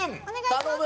頼む！